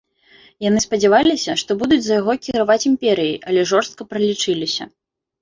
Яны спадзяваліся, што будуць за яго кіраваць імперыяй, але жорстка пралічыліся.